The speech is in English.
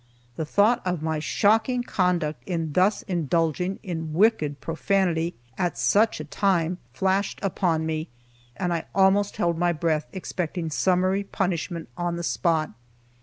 The thought of my shocking conduct, in thus indulging in wicked profanity at such a time, flashed upon me, and I almost held my breath, expecting summary punishment on the spot.